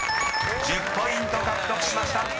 ［１０ポイント獲得しました。